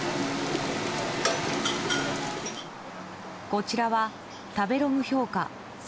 こちらは食べログ評価